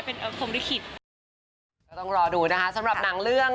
อยากมีใครแนะนำมาหรือปล้อย